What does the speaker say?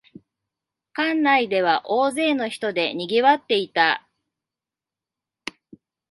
館内では大勢の人でにぎわっていた